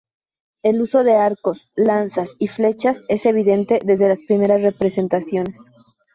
El uso de arcos, lanzas y flechas es evidente desde las primeras representaciones.